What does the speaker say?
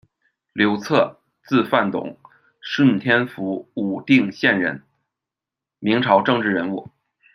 刘策，字范董，顺天府武定县人，明朝政治人物。